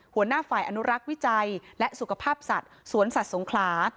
หัวหน้าฝ่ายอนุรักษ์วิจัยและสุขภาพสัตว์สวนสัตว์สงขลา